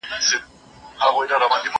زه ښوونځی ته نه ځم.